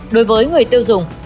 đối với người tiêu dùng